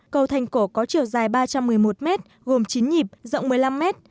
cầu thành cổ có chiều dài ba trăm một mươi một mét gồm chín nhịp rộng một mươi năm mét